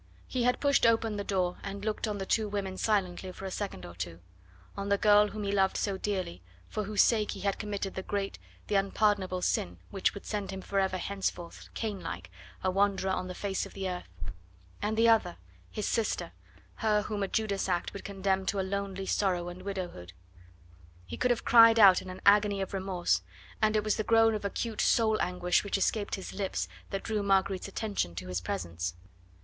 He had pushed open the door and looked on the two women silently for a second or two; on the girl whom he loved so dearly, for whose sake he had committed the great, the unpardonable sin which would send him forever henceforth, Cain like, a wanderer on the face of the earth; and the other, his sister, her whom a Judas act would condemn to lonely sorrow and widowhood. He could have cried out in an agony of remorse, and it was the groan of acute soul anguish which escaped his lips that drew Marguerite's attention to his presence.